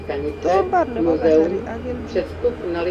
To mbar nebo kasari ak kelchin